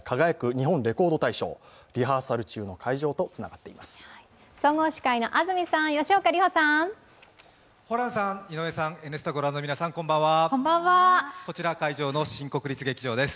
日本レコード大賞」、リハーサル中の会場とつながっています。